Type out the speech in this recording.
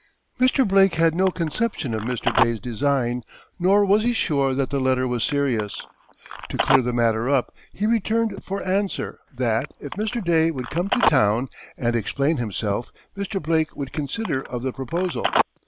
Mr. Blake had no conception of Mr. Day's design, nor was he sure that the letter was serious. To clear the matter up, he returned for answer, that, if Mr. Day would come to town, and explain himself, Mr. Blake would consider of the proposal.